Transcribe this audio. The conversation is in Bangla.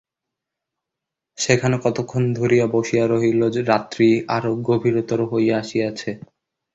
সেখানে কতক্ষণ ধরিয়া বসিয়া রহিল, রাত্রি আরো গভীরতর হইয়া আসিয়াছে।